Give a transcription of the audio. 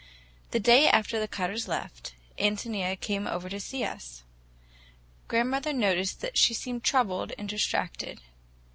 The day after the Cutters left, Ántonia came over to see us. Grandmother noticed that she seemed troubled and distracted.